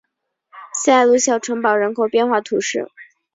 塞鲁小城堡人口变化图示